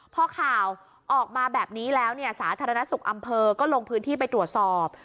พอข่าวออกมาแบบนี้แล้วเนี่ยสาธารณสุขอำเภอก็ลงพื้นที่ไปตรวจสอบ